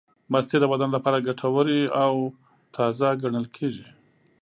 مستې د بدن لپاره ګټورې او تازې ګڼل کېږي.